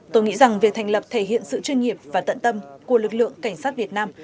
tôi nghĩ rằng việc thành lập thể hiện sự chuyên nghiệp và tận tâm của lực lượng cảnh sát việt nam